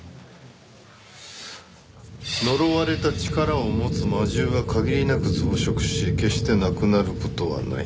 「『呪われた力を持つ魔銃は限りなく増殖し決して無くなる事はない』」